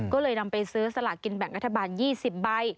ก็เลยนำไปซื้อสลากินแบ่งรัฐบาล๒๐ใบ